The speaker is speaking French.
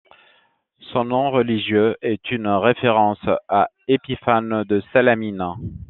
Son nom religieux est une référence à Épiphane de Salamine.